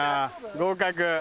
合格。